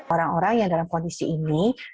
orang orang yang dalam kondisi ini